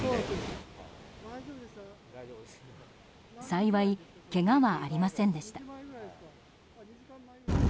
幸いけがはありませんでした。